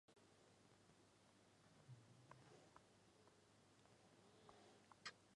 最终军阶为海军大将。